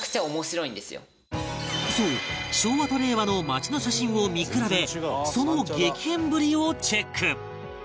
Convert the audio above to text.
そう昭和と令和の街の写真を見比べその激変ぶりをチェック